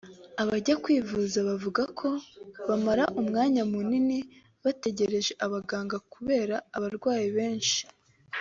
Abajya kwivuza bavuga ko bamara umwanya munini bategereje abaganga kubera abarwayi benshi